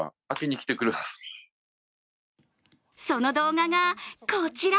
その動画がこちら。